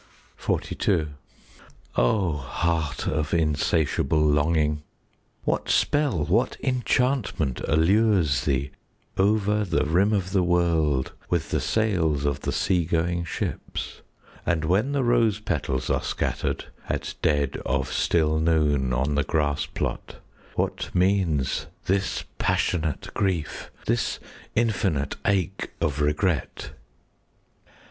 XLII O heart of insatiable longing, What spell, what enchantment allures thee Over the rim of the world With the sails of the sea going ships? And when the rose petals are scattered 5 At dead of still noon on the grass plot, What means this passionate grief,— This infinite ache of regret?